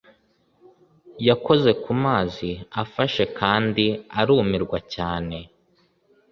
yakoze ku mazi afashe kandi arumirwa cyane